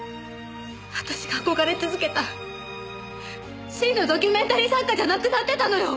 私が憧れ続けた真のドキュメンタリー作家じゃなくなってたのよ！